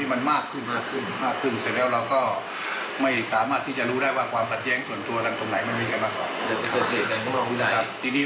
นี่มันไม่จำเป็นก็มาไหว้วันไหนก็ได้